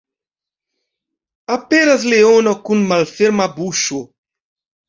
Aperas leono kun malferma buŝo.